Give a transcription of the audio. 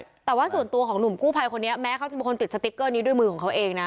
แต่ว่าส่วนตัวของหนุ่มกู้ภัยคนนี้แม้เขาจะเป็นคนติดสติ๊กเกอร์นี้ด้วยมือของเขาเองนะ